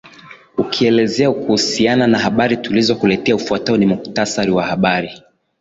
ukielezea kuhusiana na habari tulizo kuletea ufwatao ni mkutasari wa habari